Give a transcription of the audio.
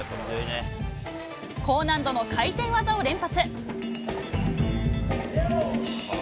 高難度の回転技を連発。